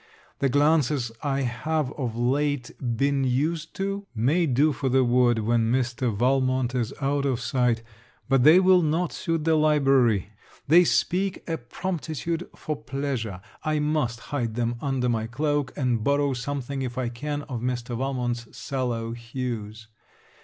The glances I have of late been used to, may do for the wood when Mr. Valmont is out of sight, but they will not suit the library. They speak a promptitude for pleasure. I must hide them under my cloak, and borrow something, if I can, of Mr. Valmont's sallow hues.